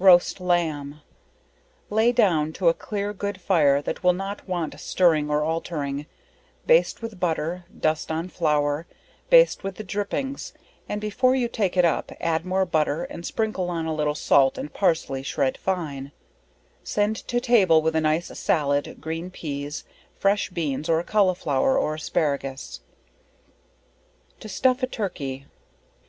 Roast Lamb. Lay down to a clear good fire that will not want stirring or altering, baste with butter, dust on flour, baste with the dripping, and before you take it up, add more butter and sprinkle on a little salt and parsley shred fine; send to table with a nice sallad, green peas, fresh beans, or a colliflower, or asparagus. _To stuff a Turkey.